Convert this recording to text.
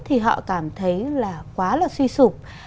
thì họ cảm thấy là quá là suy sụp